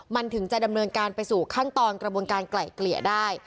มันถึงจะดำเนินการไปสู่ขั้นตอนกระบวนการไกล่เกลี่ยได้